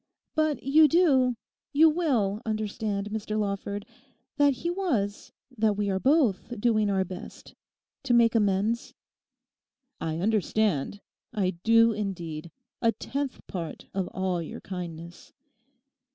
But you do, you will, understand, Mr Lawford, that he was, that we are both "doing our best"—to make amends?' 'I understand—I do indeed—a tenth part of all your kindness.